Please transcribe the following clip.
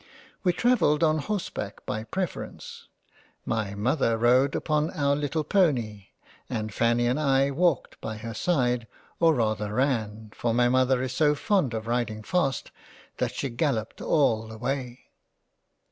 We travelled on horseback by preference. My Mother rode upon our little poney and Fanny and I walked by her side or rather ran, for my Mother is so fond of riding fast that she galloped all the way.